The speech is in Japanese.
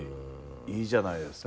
いいじゃないですか。